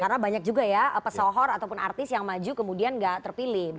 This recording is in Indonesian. karena banyak juga ya pesohor ataupun artis yang maju kemudian nggak terpilih